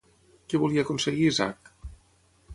Què volia aconseguir Zack?